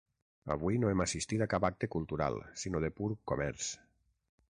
Avui no hem assistit a cap acte cultural, sinó de pur comerç.